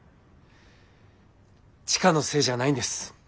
千佳のせいじゃないんです。